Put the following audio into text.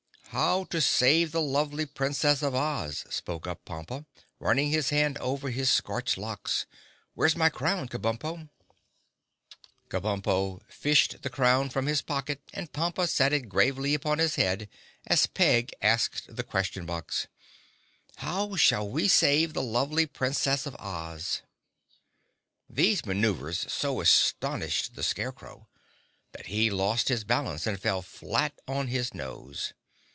"How to save the lovely Princess of Oz," spoke up Pompa, running his hand over his scorched locks. "Where's my crown, Kabumpo?" Kabumpo fished the crown from his pocket and Pompa set it gravely upon his head as Peg asked the Question Box: "How shall we save the lovely Princess of Oz?" These maneuvers so astonished the Scarecrow that he lost his balance and fell flat on his nose.